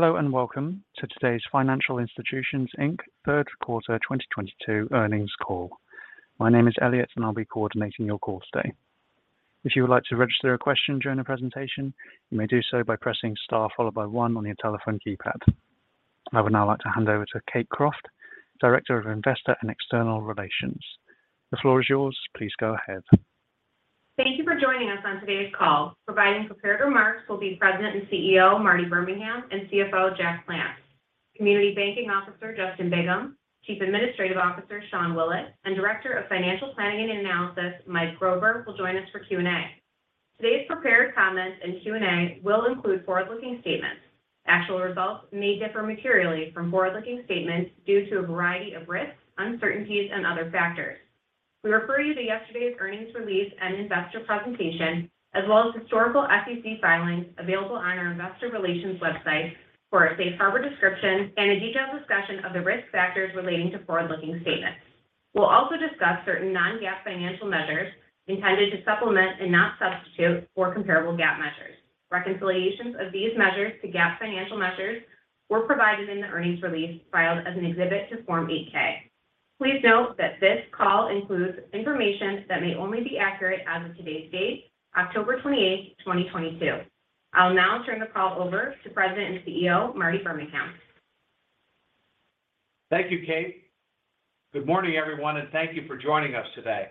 Hello and welcome to today's Financial Institutions, Inc. third quarter 2022 earnings call. My name is Elliot, and I'll be coordinating your call today. If you would like to register a question during the presentation, you may do so by pressing star followed by one on your telephone keypad. I would now like to hand over to Kate Croft, Director of Investor and External Relations. The floor is yours. Please go ahead. Thank you for joining us on today's call. Providing prepared remarks will be President and CEO Marty Birmingham and CFO Jack Plants. Community Banking Officer Justin Bigham, Chief Administrative Officer Sean Willett, and Director of Financial Planning and Analysis Mike Grover, will join us for Q&A. Today's prepared comments and Q&A will include forward-looking statements. Actual results may differ materially from forward-looking statements due to a variety of risks, uncertainties and other factors. We refer you to yesterday's earnings release and investor presentation as well as historical SEC filings available on our investor relations website for a safe harbor description and a detailed discussion of the risk factors relating to forward-looking statements. We'll also discuss certain Non-GAAP financial measures intended to supplement and not substitute for comparable GAAP measures. Reconciliations of these measures to GAAP financial measures were provided in the earnings release filed as an exhibit to Form 8-K. Please note that this call includes information that may only be accurate as of today's date, October 28th, 2022. I'll now turn the call over to President and CEO, Marty Birmingham. Thank you, Kate. Good morning, everyone, and thank you for joining us today.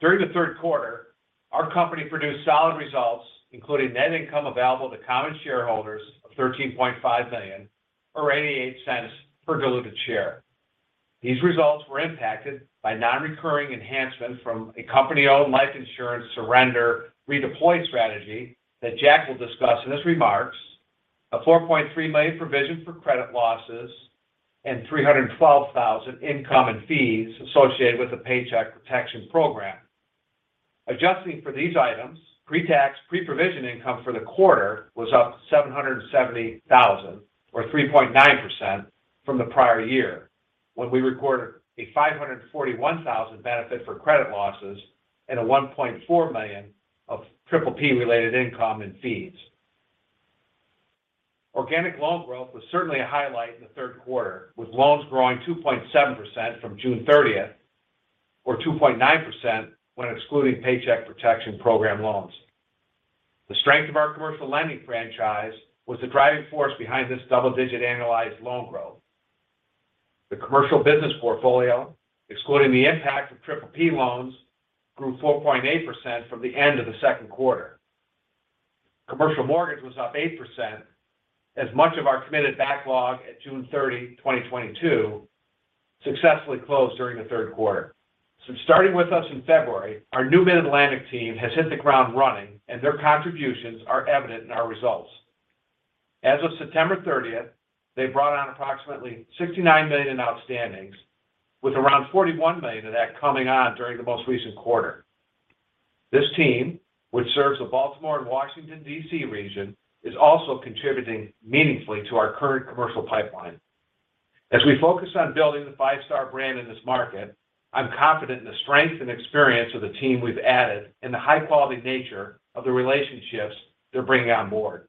During the third quarter, our company produced solid results, including net income available to common shareholders of $13.5 million or $0.88 per diluted share. These results were impacted by non-recurring enhancements from a company-owned life insurance surrender redeployed strategy that Jack will discuss in his remarks, a $4.3 million provision for credit losses and $312 thousand in income and fees associated with the Paycheck Protection Program. Adjusting for these items, pre-tax, pre-provision income for the quarter was up $770 thousand or 3.9% from the prior year when we recorded a $541 thousand benefit for credit losses and a $1.4 million of PPP-related income and fees. Organic loan growth was certainly a highlight in the third quarter, with loans growing 2.7% from June 30th or 2.9% when excluding Paycheck Protection Program loans. The strength of our commercial lending franchise was the driving force behind this double-digit annualized loan growth. The commercial business portfolio, excluding the impact of PPP loans, grew 4.8% from the end of the second quarter. Commercial mortgage was up 8% as much of our committed backlog at June 30, 2022 successfully closed during the third quarter. Starting with us in February, our new Mid-Atlantic team has hit the ground running, and their contributions are evident in our results. As of September 30th, they brought on approximately $69 million in outstandings, with around $41 million of that coming on during the most recent quarter. This team, which serves the Baltimore and Washington, D.C. region, is also contributing meaningfully to our current commercial pipeline. As we focus on building the Five Star brand in this market, I'm confident in the strength and experience of the team we've added and the high-quality nature of the relationships they're bringing on board.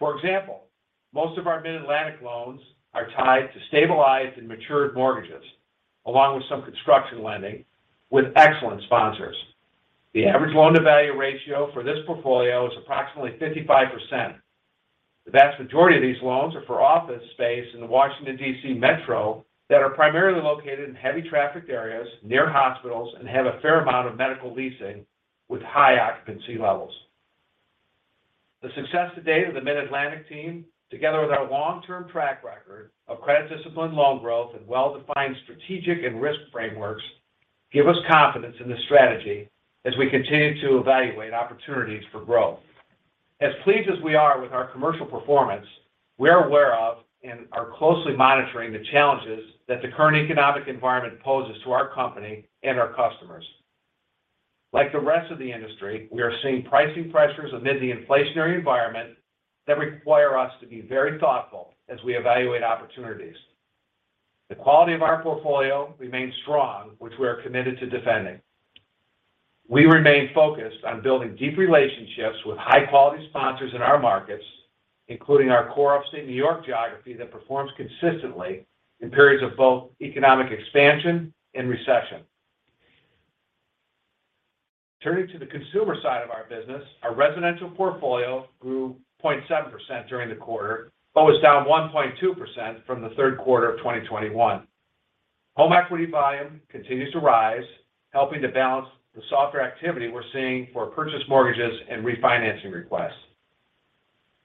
For example, most of our Mid-Atlantic loans are tied to stabilized and matured mortgages, along with some construction lending with excellent sponsors. The average loan-to-value ratio for this portfolio is approximately 55%. The vast majority of these loans are for office space in the Washington, D.C. Metro that are primarily located in heavy trafficked areas near hospitals and have a fair amount of medical leasing with high occupancy levels. The success to date of the Mid-Atlantic team, together with our long-term track record of credit discipline, loan growth, and well-defined strategic and risk frameworks, give us confidence in this strategy as we continue to evaluate opportunities for growth. As pleased as we are with our commercial performance, we are aware of and are closely monitoring the challenges that the current economic environment poses to our company and our customers. Like the rest of the industry, we are seeing pricing pressures amid the inflationary environment that require us to be very thoughtful as we evaluate opportunities. The quality of our portfolio remains strong, which we are committed to defending. We remain focused on building deep relationships with high-quality sponsors in our markets, including our core upstate New York geography that performs consistently in periods of both economic expansion and recession. Turning to the consumer side of our business, our residential portfolio grew 0.7% during the quarter, but was down 1.2% from the third quarter of 2021. Home equity volume continues to rise, helping to balance the softer activity we're seeing for purchase mortgages and refinancing requests.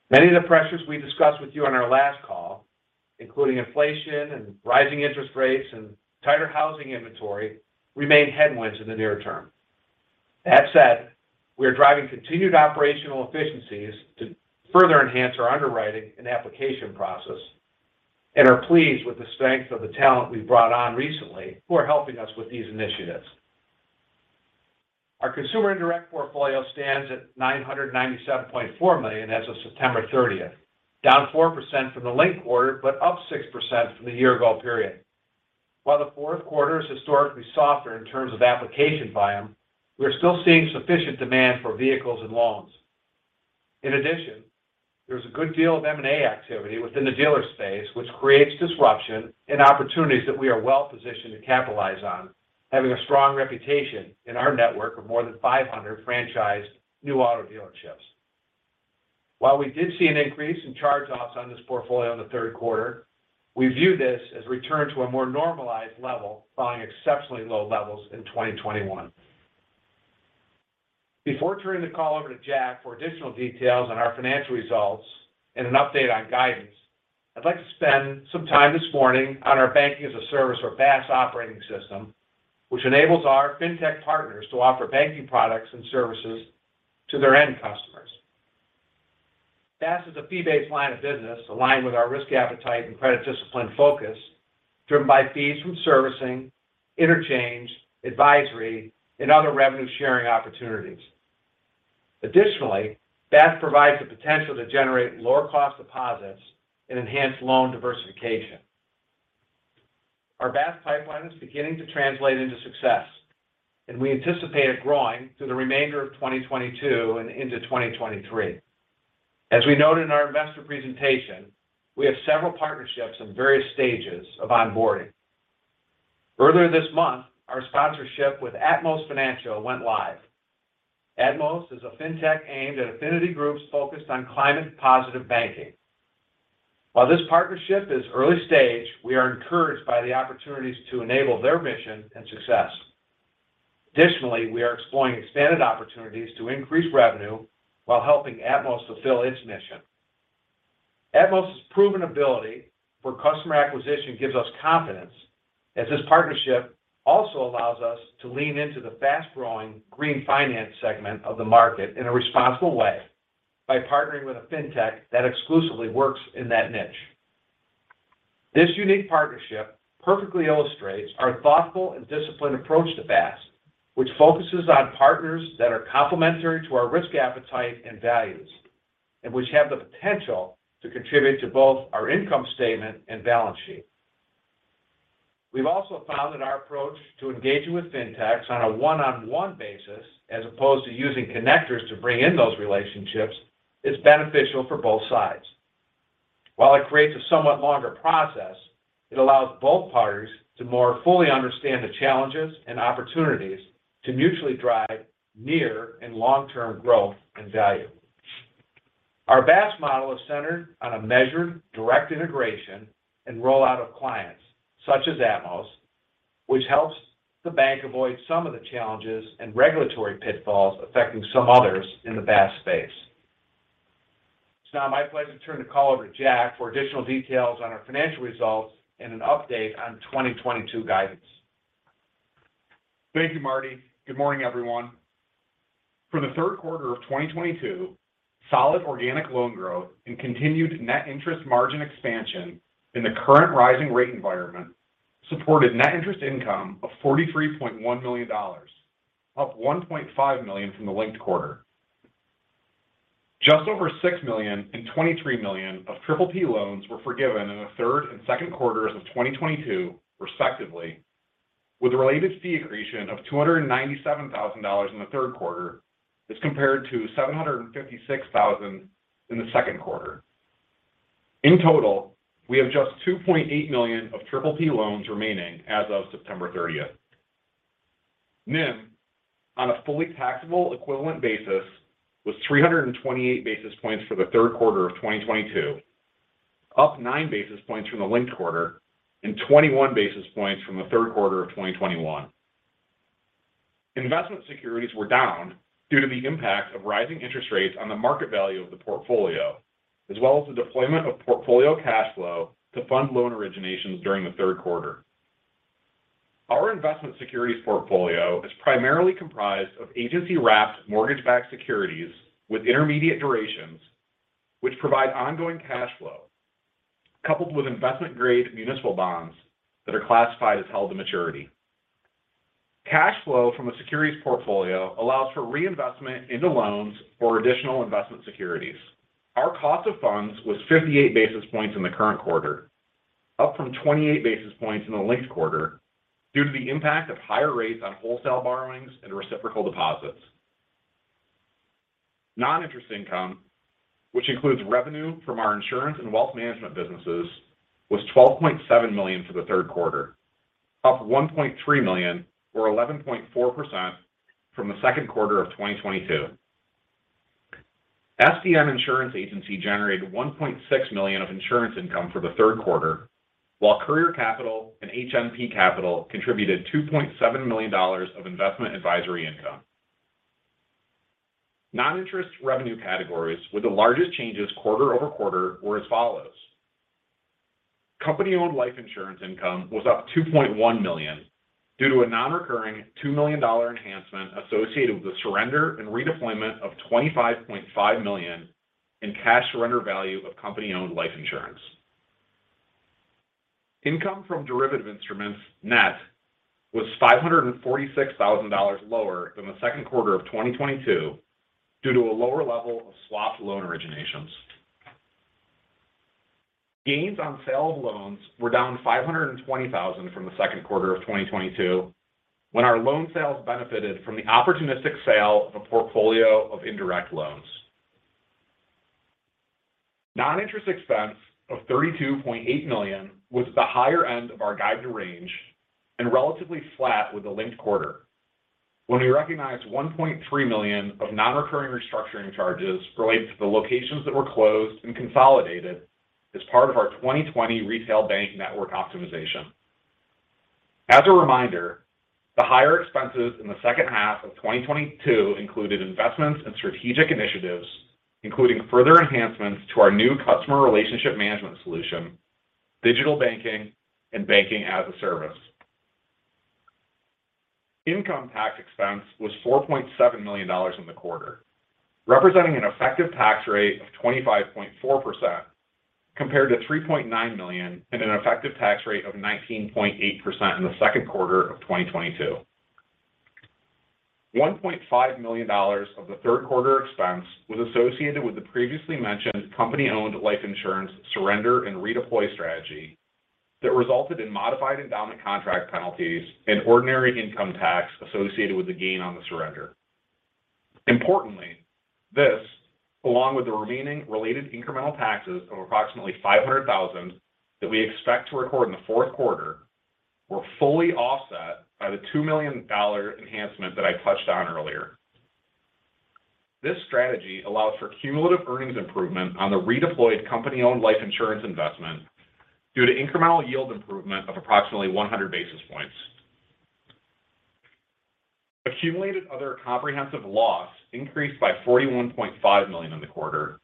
Many of the pressures we discussed with you on our last call, including inflation and rising interest rates and tighter housing inventory, remain headwinds in the near term. That said, we are driving continued operational efficiencies to further enhance our underwriting and application process and are pleased with the strength of the talent we've brought on recently who are helping us with these initiatives. Our consumer and direct portfolio stands at $997.4 million as of September 30th, down 4% from the linked quarter, but up 6% from the year-ago period. While the fourth quarter is historically softer in terms of application volume, we are still seeing sufficient demand for vehicles and loans. In addition, there's a good deal of M&A activity within the dealer space, which creates disruption and opportunities that we are well-positioned to capitalize on, having a strong reputation in our network of more than 500 franchised new auto dealerships. While we did see an increase in charge-offs on this portfolio in the third quarter, we view this as a return to a more normalized level following exceptionally low levels in 2021. Before turning the call over to Jack for additional details on our financial results and an update on guidance, I'd like to spend some time this morning on our Banking-as-a-Service or BaaS operating system, which enables our fintech partners to offer banking products and services to their end customers. BaaS is a fee-based line of business aligned with our risk appetite and credit discipline focus, driven by fees from servicing, interchange, advisory, and other revenue-sharing opportunities. Additionally, BaaS provides the potential to generate lower-cost deposits and enhance loan diversification. Our BaaS pipeline is beginning to translate into success, and we anticipate it growing through the remainder of 2022 and into 2023. As we noted in our investor presentation, we have several partnerships in various stages of onboarding. Earlier this month, our sponsorship with Atmos Financial went live. Atmos is a fintech aimed at affinity groups focused on climate-positive banking. While this partnership is early stage, we are encouraged by the opportunities to enable their mission and success. Additionally, we are exploring expanded opportunities to increase revenue while helping Atmos fulfill its mission. Atmos' proven ability for customer acquisition gives us confidence, as this partnership also allows us to lean into the fast-growing green finance segment of the market in a responsible way by partnering with a fintech that exclusively works in that niche. This unique partnership perfectly illustrates our thoughtful and disciplined approach to BaaS, which focuses on partners that are complementary to our risk appetite and values and which have the potential to contribute to both our income statement and balance sheet. We've also found that our approach to engaging with fintechs on a one-on-one basis, as opposed to using connectors to bring in those relationships, is beneficial for both sides. While it creates a somewhat longer process, it allows both parties to more fully understand the challenges and opportunities to mutually drive near- and long-term growth and value. Our BaaS model is centered on a measured, direct integration and rollout of clients, such as Atmos, which helps the bank avoid some of the challenges and regulatory pitfalls affecting some others in the BaaS space. It's now my pleasure to turn the call over to Jack for additional details on our financial results and an update on 2022 guidance. Thank you, Marty. Good morning, everyone. For the third quarter of 2022, solid organic loan growth and continued net interest margin expansion in the current rising rate environment supported net interest income of $43.1 million, up $1.5 million from the linked quarter. Just over $6 million and $23 million of Triple P loans were forgiven in the third and second quarters of 2022, respectively, with related fee accretion of $297 thousand in the third quarter as compared to $756 thousand in the second quarter. In total, we have just $2.8 million of Triple P loans remaining as of September 30. NIM on a fully taxable equivalent basis was 328 basis points for the third quarter of 2022, up nine basis points from the linked quarter and 21 basis points from the third quarter of 2021. Investment securities were down due to the impact of rising interest rates on the market value of the portfolio, as well as the deployment of portfolio cash flow to fund loan originations during the third quarter. Our investment securities portfolio is primarily comprised of agency-wrapped mortgage-backed securities with intermediate durations which provide ongoing cash flow, coupled with investment-grade municipal bonds that are classified as held to maturity. Cash flow from the securities portfolio allows for reinvestment into loans or additional investment securities. Our cost of funds was 58 basis points in the current quarter, up from 28 basis points in the linked quarter due to the impact of higher rates on wholesale borrowings and reciprocal deposits. Non-interest income, which includes revenue from our insurance and wealth management businesses, was $12.7 million for the third quarter, up $1.3 million, or 11.4% from the second quarter of 2022. SDN Insurance Agency generated $1.6 million of insurance income for the third quarter, while Courier Capital and HNP Capital contributed $2.7 million of investment advisory income. Non-interest revenue categories with the largest changes quarter-over-quarter were as follows. Company-owned life insurance income was up $2.1 million due to a non-recurring $2 million enhancement associated with the surrender and redeployment of $25.5 million in cash surrender value of company-owned life insurance. Income from derivative instruments net was $546,000 lower than the second quarter of 2022 due to a lower level of swap loan originations. Gains on sale of loans were down $520,000 from the second quarter of 2022 when our loan sales benefited from the opportunistic sale of a portfolio of indirect loans. Non-interest expense of $32.8 million was at the higher end of our guided range and relatively flat with the linked quarter when we recognized $1.3 million of non-recurring restructuring charges related to the locations that were closed and consolidated as part of our 2020 retail bank network optimization. As a reminder, the higher expenses in the second half of 2022 included investments in strategic initiatives, including further enhancements to our new customer relationship management solution, digital banking and banking-as-a-service. Income tax expense was $4.7 million in the quarter, representing an effective tax rate of 25.4% compared to $3.9 million and an effective tax rate of 19.8% in the second quarter of 2022. $1.5 million of the third quarter expense was associated with the previously mentioned company-owned life insurance surrender and redeploy strategy that resulted in modified endowment contract penalties and ordinary income tax associated with the gain on the surrender. Importantly, this, along with the remaining related incremental taxes of approximately $500,000 that we expect to record in the fourth quarter, were fully offset by the $2 million enhancement that I touched on earlier. This strategy allows for cumulative earnings improvement on the redeployed company-owned life insurance investment due to incremental yield improvement of approximately 100 basis points. Accumulated other comprehensive loss increased by $41.5 million in the quarter,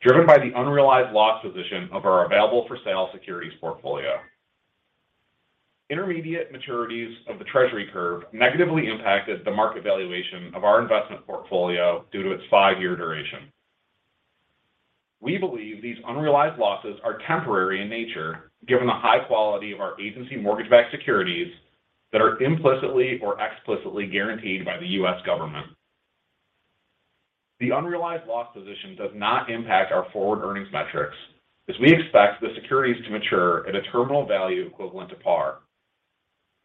driven by the unrealized loss position of our available-for-sale securities portfolio. Intermediate maturities of the treasury curve negatively impacted the market valuation of our investment portfolio due to its five-year duration. We believe these unrealized losses are temporary in nature given the high quality of our agency mortgage-backed securities that are implicitly or explicitly guaranteed by the U.S. government. The unrealized loss position does not impact our forward earnings metrics as we expect the securities to mature at a terminal value equivalent to par.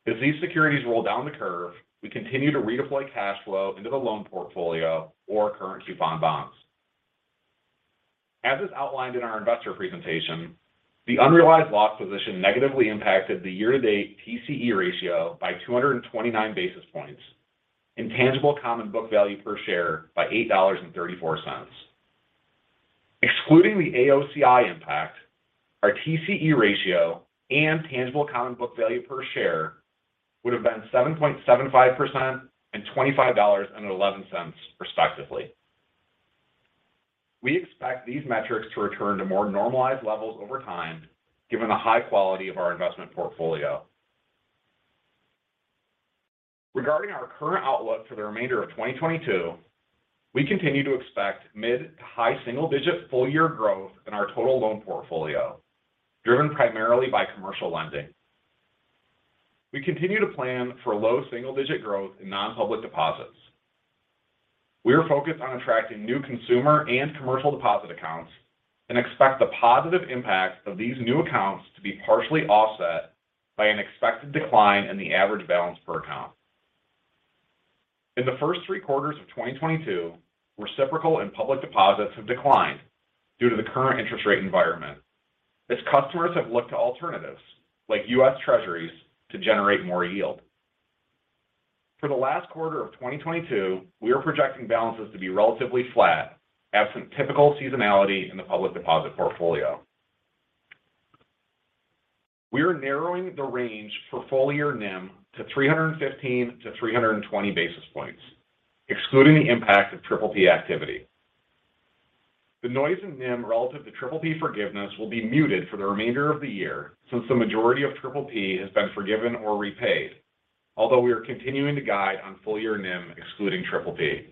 As these securities roll down the curve, we continue to redeploy cash flow into the loan portfolio or current coupon bonds. As is outlined in our investor presentation, the unrealized loss position negatively impacted the year-to-date TCE ratio by 229 basis points and tangible common book value per share by $8.34. Excluding the AOCI impact, our TCE ratio and tangible common book value per share would have been 7.75% and $25.11 respectively. We expect these metrics to return to more normalized levels over time given the high quality of our investment portfolio. Regarding our current outlook for the remainder of 2022, we continue to expect mid- to high-single-digit full-year growth in our total loan portfolio, driven primarily by commercial lending. We continue to plan for low-single-digit growth in non-public deposits. We are focused on attracting new consumer and commercial deposit accounts and expect the positive impact of these new accounts to be partially offset by an expected decline in the average balance per account. In the first three quarters of 2022, reciprocal and public deposits have declined due to the current interest rate environment as customers have looked to alternatives like U.S. Treasuries to generate more yield. For the last quarter of 2022, we are projecting balances to be relatively flat absent typical seasonality in the public deposit portfolio. We are narrowing the range for full-year NIM to 315-320 basis points, excluding the impact of PPP activity. The noise in NIM relative to PPP forgiveness will be muted for the remainder of the year since the majority of PPP has been forgiven or repaid although we are continuing to guide on full-year NIM excluding PPP.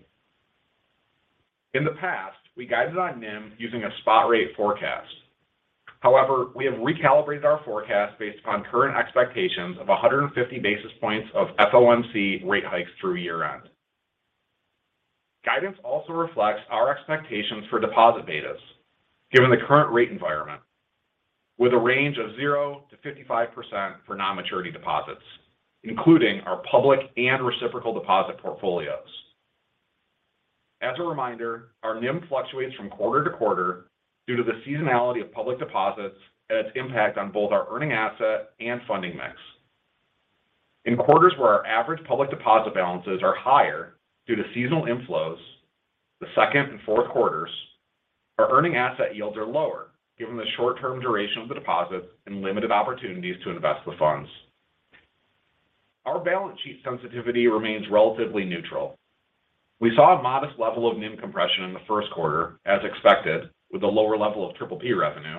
In the past, we guided on NIM using a spot rate forecast. However, we have recalibrated our forecast based on current expectations of 150 basis points of FOMC rate hikes through year-end. Guidance also reflects our expectations for deposit betas given the current rate environment with a range of 0%-55% for non-maturity deposits including our public and reciprocal deposit portfolios. As a reminder, our NIM fluctuates from quarter to quarter due to the seasonality of public deposits and its impact on both our earning asset and funding mix. In quarters where our average public deposit balances are higher due to seasonal inflows, the second and fourth quarters, our earning asset yields are lower given the short-term duration of the deposits and limited opportunities to invest the funds. Our balance sheet sensitivity remains relatively neutral. We saw a modest level of NIM compression in the first quarter as expected with a lower level of PPP revenue.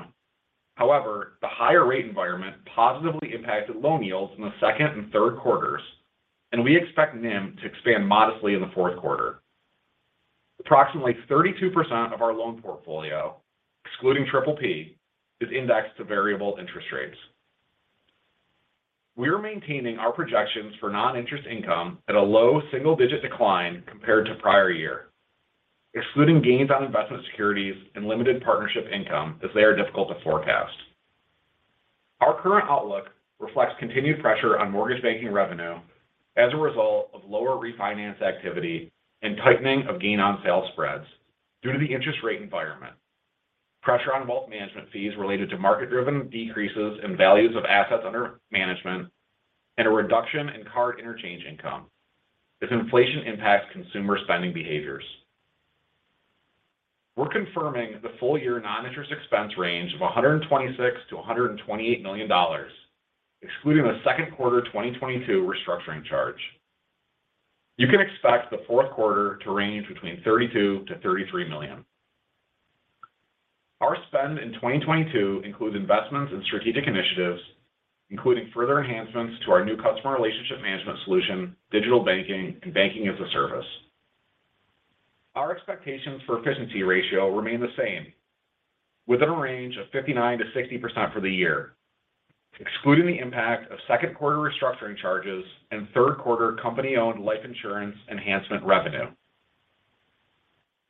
However, the higher rate environment positively impacted loan yields in the second and third quarters, and we expect NIM to expand modestly in the fourth quarter. Approximately 32% of our loan portfolio, excluding PPP, is indexed to variable interest rates. We're maintaining our projections for non-interest income at a low single-digit decline compared to prior year, excluding gains on investment securities and limited partnership income as they are difficult to forecast. Our current outlook reflects continued pressure on mortgage banking revenue as a result of lower refinance activity and tightening of gain-on-sale spreads due to the interest rate environment. Pressure on wealth management fees related to market-driven decreases in values of assets under management and a reduction in card interchange income if inflation impacts consumer spending behaviors. We're confirming the full-year non-interest expense range of $126 million-$128 million, excluding the second quarter 2022 restructuring charge. You can expect the fourth quarter to range between $32 million-$33 million. Our spend in 2022 includes investments in strategic initiatives, including further enhancements to our new customer relationship management solution, digital banking, and banking-as-a-service. Our expectations for efficiency ratio remain the same within a range of 59%-60% for the year, excluding the impact of second quarter restructuring charges and third quarter company-owned life insurance enhancement revenue.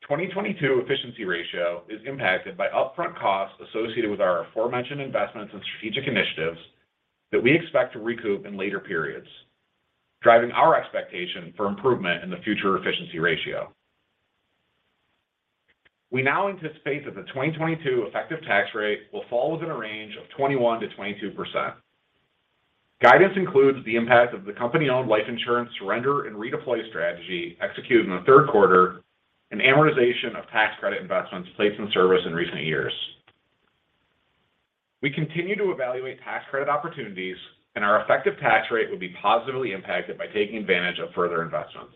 2022 efficiency ratio is impacted by upfront costs associated with our aforementioned investments in strategic initiatives that we expect to recoup in later periods, driving our expectation for improvement in the future efficiency ratio. We now anticipate that the 2022 effective tax rate will fall within a range of 21%-22%. Guidance includes the impact of the company-owned life insurance surrender and redeploy strategy executed in the third quarter and amortization of tax credit investments placed in service in recent years. We continue to evaluate tax credit opportunities, and our effective tax rate would be positively impacted by taking advantage of further investments.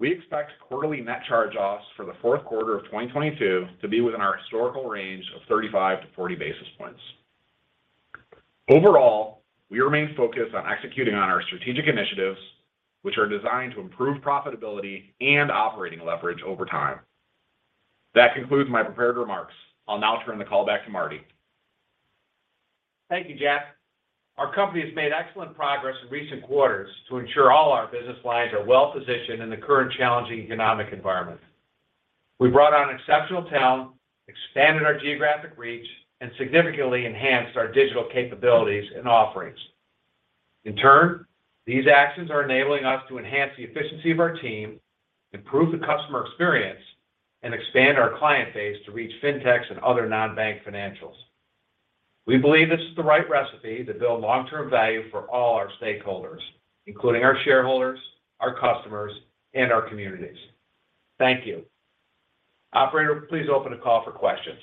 We expect quarterly net charge-offs for the fourth quarter of 2022 to be within our historical range of 35-40 basis points. Overall, we remain focused on executing on our strategic initiatives, which are designed to improve profitability and operating leverage over time. That concludes my prepared remarks. I'll now turn the call back to Marty. Thank you, Jack. Our company has made excellent progress in recent quarters to ensure all our business lines are well-positioned in the current challenging economic environment. We brought on exceptional talent, expanded our geographic reach, and significantly enhanced our digital capabilities and offerings. In turn, these actions are enabling us to enhance the efficiency of our team, improve the customer experience, and expand our client base to reach fintechs and other non-bank financials. We believe this is the right recipe to build long-term value for all our stakeholders, including our shareholders, our customers, and our communities. Thank you. Operator, please open the call for questions.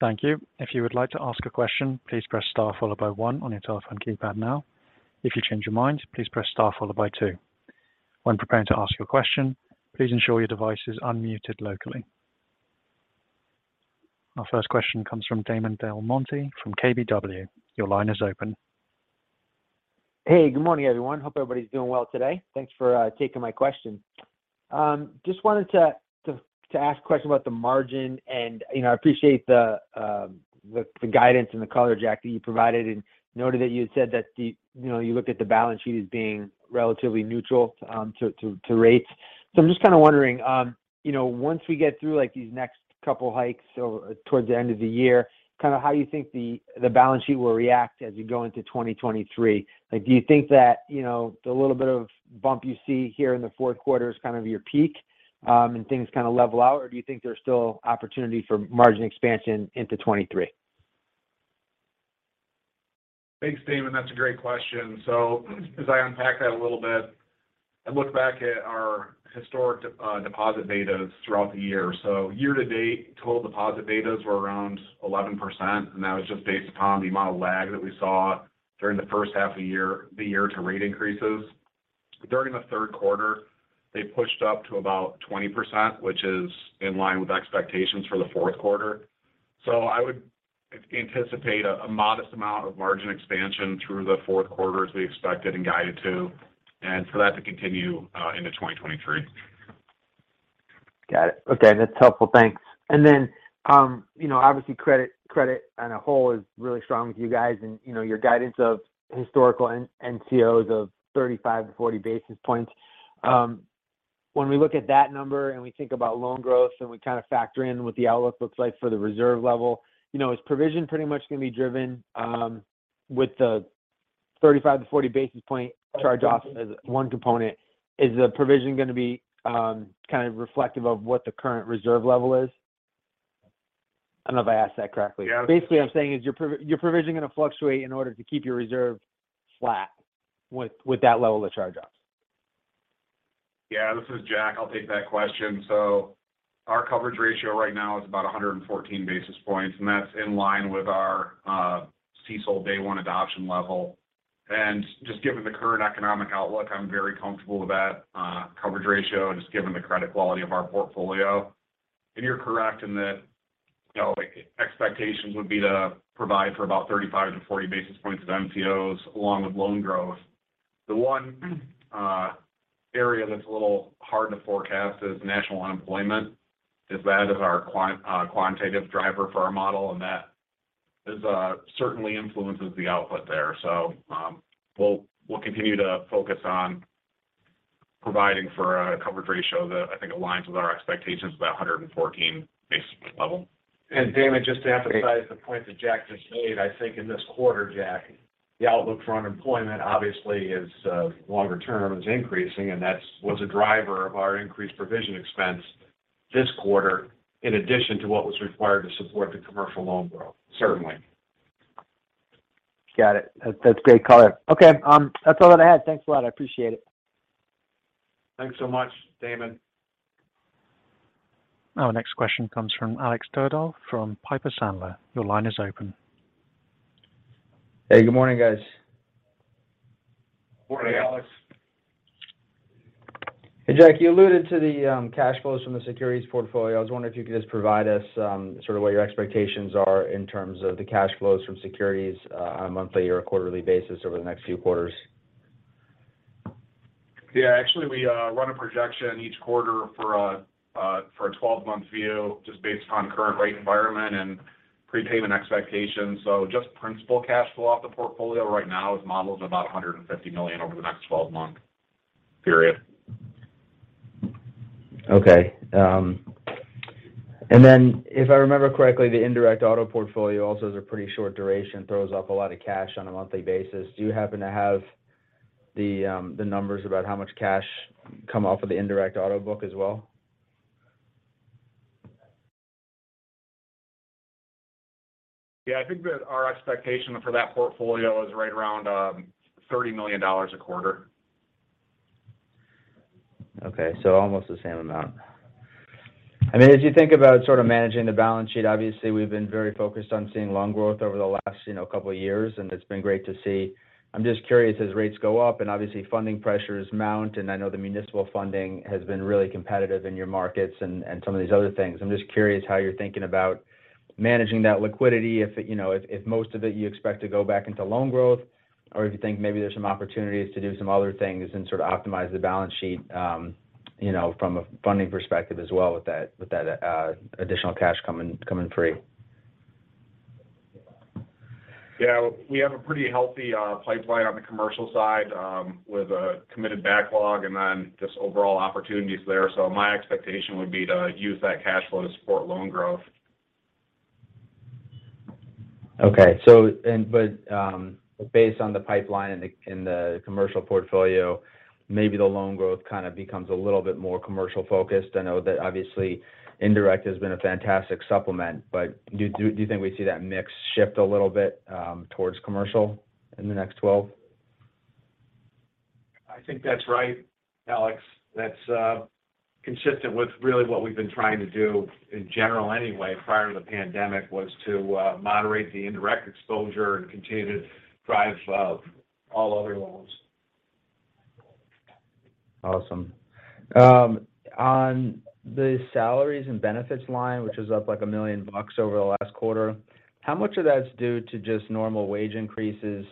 Thank you. If you would like to ask a question, please press star followed by one on your telephone keypad now. If you change your mind, please press star followed by two. When preparing to ask your question, please ensure your device is unmuted locally. Our first question comes from Damon DelMonte from KBW. Your line is open. Hey, good morning, everyone. Hope everybody's doing well today. Thanks for taking my question. Just wanted to ask a question about the margin and, you know, I appreciate the guidance and the color, Jack, that you provided and noted that you had said that the, you know, you looked at the balance sheet as being relatively neutral to rates. So I'm just kinda wondering, you know, once we get through like these next couple hikes or towards the end of the year, kinda how you think the balance sheet will react as you go into 2023. Like, do you think that, you know, the little bit of bump you see here in the fourth quarter is kind of your peak and things kinda level out? Do you think there's still opportunity for margin expansion into 2023? Thanks, Damon. That's a great question. As I unpack that a little bit and look back at our historic deposit betas throughout the year. Year to date, total deposit betas were around 11%, and that was just based upon the amount of lag that we saw during the first half of the year, the year to rate increases. During the third quarter, they pushed up to about 20%, which is in line with expectations for the fourth quarter. I would anticipate a modest amount of margin expansion through the fourth quarter as we expected and guided to, and for that to continue into 2023. Got it. Okay. That's helpful. Thanks. Then, you know, obviously credit on a whole is really strong with you guys and, you know, your guidance of historical NCOs of 35-40 basis points. When we look at that number and we think about loan growth and we kinda factor in what the outlook looks like for the reserve level, you know, is provision pretty much going to be driven with the 35-40 basis point charge-off as one component? Is the provision gonna be kind of reflective of what the current reserve level is? I don't know if I asked that correctly. Yeah. Basically, I'm saying, is your provisioning going to fluctuate in order to keep your reserve flat with that level of charge-offs? Yeah, this is Jack. I'll take that question. Our coverage ratio right now is about 114 basis points, and that's in line with our CECL day one adoption level. Just given the current economic outlook, I'm very comfortable with that coverage ratio, just given the credit quality of our portfolio. You're correct in that, you know, like expectations would be to provide for about 35-40 basis points of NCOs along with loan growth. The one area that's a little hard to forecast is national unemployment, that is our quantitative driver for our model, and that certainly influences the output there. We'll continue to focus on providing for a coverage ratio that I think aligns with our expectations of that 114 basis point level. Damon, just to emphasize the point that Jack just made. I think in this quarter, Jack, the outlook for unemployment obviously is longer term is increasing, and that was a driver of our increased provision expense this quarter in addition to what was required to support the commercial loan growth. Certainly. Got it. That's great color. Okay. That's all that I had. Thanks a lot. I appreciate it. Thanks so much, Damon. Our next question comes from Alex Twerdahl from Piper Sandler. Your line is open. Hey, good morning, guys. Morning, Alex. Hey, Jack. You alluded to the cash flows from the securities portfolio. I was wondering if you could just provide us sort of what your expectations are in terms of the cash flows from securities on a monthly or a quarterly basis over the next few quarters. Actually, we run a projection each quarter for a twelve-month view just based on current rate environment and prepayment expectations. Just principal cash flow off the portfolio right now is modeled at about $150 million over the next 12 month period. Okay. If I remember correctly, the indirect auto portfolio also is a pretty short duration, throws off a lot of cash on a monthly basis. Do you happen to have the numbers about how much cash come off of the indirect auto book as well? Yeah. I think that our expectation for that portfolio is right around $30 million a quarter. Okay. Almost the same amount. I mean, as you think about sort of managing the balance sheet, obviously, we've been very focused on seeing loan growth over the last, you know, couple years, and it's been great to see. I'm just curious as rates go up and obviously funding pressures mount, and I know the municipal funding has been really competitive in your markets and some of these other things. I'm just curious how you're thinking about managing that liquidity if you know most of it you expect to go back into loan growth, or if you think maybe there's some opportunities to do some other things and sort of optimize the balance sheet, you know, from a funding perspective as well with that additional cash coming free. Yeah. We have a pretty healthy pipeline on the commercial side, with a committed backlog and then just overall opportunities there. My expectation would be to use that cash flow to support loan growth. Based on the pipeline in the commercial portfolio, maybe the loan growth kind of becomes a little bit more commercial-focused. I know that obviously indirect has been a fantastic supplement, but do you think we see that mix shift a little bit towards commercial in the next 12? I think that's right, Alex. That's consistent with really what we've been trying to do in general anyway prior to the pandemic was to moderate the indirect exposure and continue to drive all other loans. Awesome. On the salaries and benefits line, which is up like $1 million over the last quarter, how much of that's due to just normal wage increases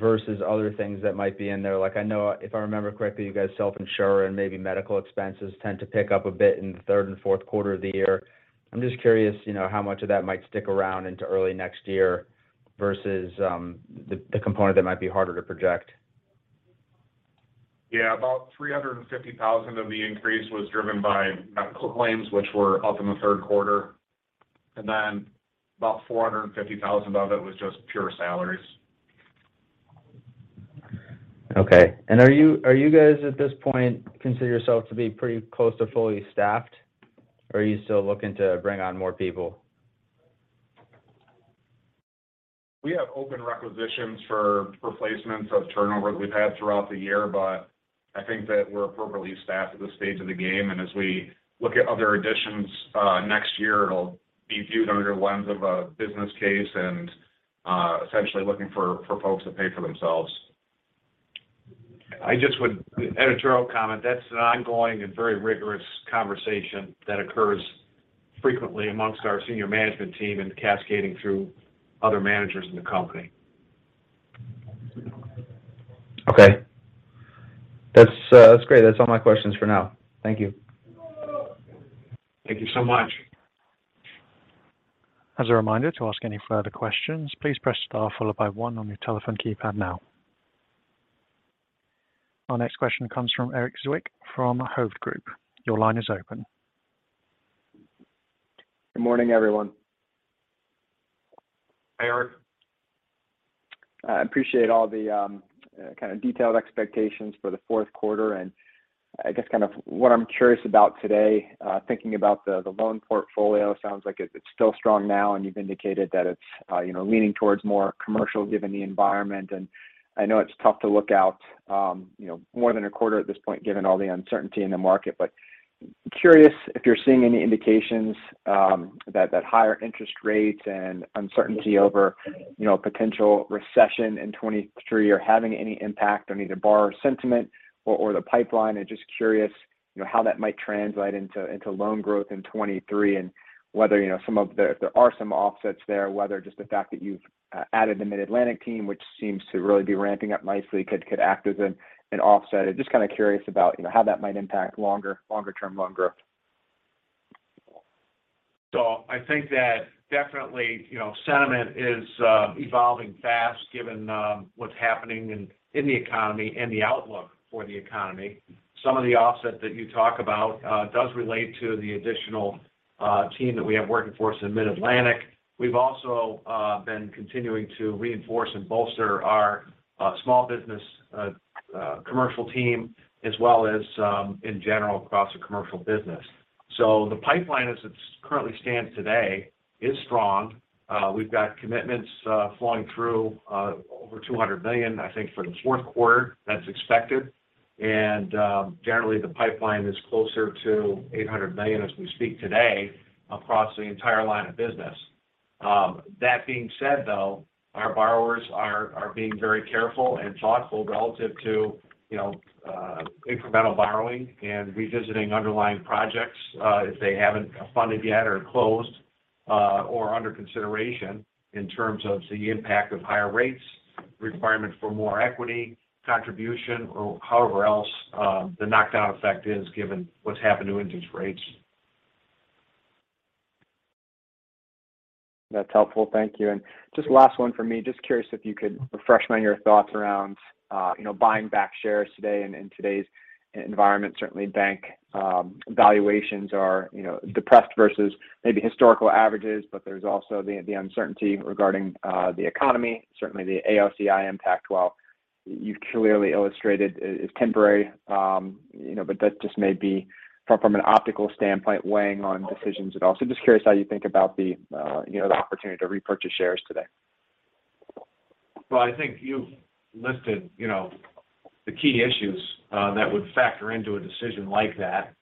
versus other things that might be in there? Like, I know if I remember correctly, you guys self-insure and maybe medical expenses tend to pick up a bit in the third and fourth quarter of the year. I'm just curious, you know, how much of that might stick around into early next year versus the component that might be harder to project. Yeah. About $350 thousand of the increase was driven by medical claims, which were up in the third quarter, and then about $450 thousand of it was just pure salaries. Okay. Are you guys at this point consider yourself to be pretty close to fully staffed, or are you still looking to bring on more people? We have open requisitions for replacements of turnover that we've had throughout the year, but I think that we're appropriately staffed at this stage of the game. As we look at other additions, next year, it'll be viewed under the lens of a business case and, essentially looking for folks that pay for themselves. Editorial comment. That's an ongoing and very rigorous conversation that occurs frequently among our senior management team and cascading through other managers in the company. Okay. That's great. That's all my questions for now. Thank you. Thank you so much. As a reminder to ask any further questions, please press star followed by one on your telephone keypad now. Our next question comes from Eric Zwick from Hovde Group. Your line is open. Good morning, everyone. Hey, Eric. I appreciate all the kind of detailed expectations for the fourth quarter. I guess kind of what I'm curious about today, thinking about the loan portfolio sounds like it's still strong now, and you've indicated that it's you know, leaning towards more commercial given the environment. I know it's tough to look out you know, more than a quarter at this point, given all the uncertainty in the market. Curious if you're seeing any indications that higher interest rates and uncertainty over you know, potential recession in 2023 are having any impact on either borrower sentiment or the pipeline. I'm just curious, you know, how that might translate into loan growth in 2023 and whether, you know, if there are some offsets there, whether just the fact that you've added the Mid-Atlantic team, which seems to really be ramping up nicely, could act as an offset. Just kind of curious about, you know, how that might impact longer-term loan growth. I think that definitely, you know, sentiment is evolving fast given what's happening in the economy and the outlook for the economy. Some of the offset that you talk about does relate to the additional team that we have working for us in Mid-Atlantic. We've also been continuing to reinforce and bolster our small business commercial team as well as in general across the commercial business. The pipeline as it currently stands today is strong. We've got commitments flowing through over $200 million, I think, for the fourth quarter that's expected. Generally, the pipeline is closer to $800 million as we speak today across the entire line of business. That being said, though, our borrowers are being very careful and thoughtful relative to, you know, incremental borrowing and revisiting underlying projects, if they haven't funded yet or closed, or under consideration in terms of the impact of higher rates, requirement for more equity contribution or however else, the knock-down effect is given what's happened to interest rates. That's helpful. Thank you. Just last one for me. Just curious if you could refresh your thoughts around, you know, buying back shares today in today's environment. Certainly, bank valuations are, you know, depressed versus maybe historical averages, but there's also the uncertainty regarding the economy. Certainly, the AOCI impact, while you've clearly illustrated is temporary, you know. But that just may be from an optics standpoint, weighing on decisions. Also just curious how you think about the, you know, the opportunity to repurchase shares today. Well, I think you've listed, you know, the key issues that would factor into a decision like that.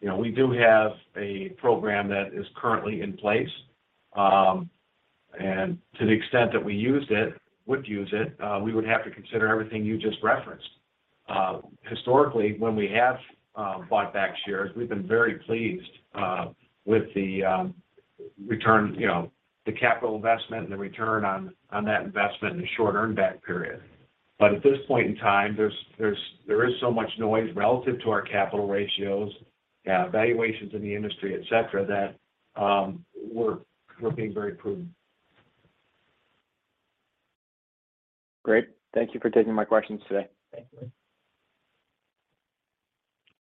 You know, we do have a program that is currently in place. To the extent that we would use it, we would have to consider everything you just referenced. Historically, when we have bought back shares, we've been very pleased with the return, you know, the capital investment and the return on that investment in a short earn back period. At this point in time, there is so much noise relative to our capital ratios, valuations in the industry, et cetera, that we're being very prudent. Great. Thank you for taking my questions today. Thank you.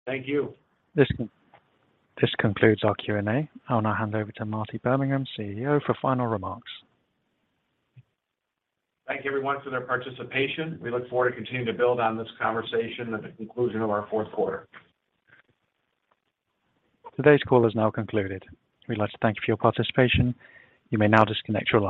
This concludes our Q&A. I'll now hand over to Marty Birmingham, CEO, for final remarks. Thank you everyone for their participation. We look forward to continuing to build on this conversation at the conclusion of our fourth quarter. Today's call is now concluded. We'd like to thank you for your participation. You may now disconnect your line.